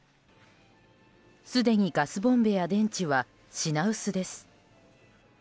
すでにガスボンベや電池は品薄です。